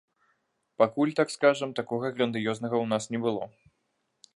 Пакуль, так скажам, такога грандыёзнага ў нас не было.